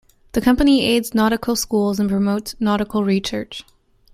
The Company aids nautical schools and promotes nautical research.